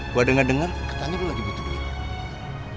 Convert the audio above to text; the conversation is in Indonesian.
gue denger denger katanya lo lagi butuh duit